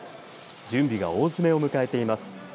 準備が大詰めを迎えています。